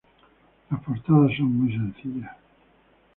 Las portadas son muy sencillas.